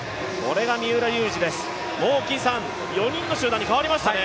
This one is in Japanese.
もう４人の集団に変わりましたね。